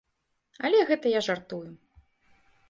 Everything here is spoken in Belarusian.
Але гэта я жартую.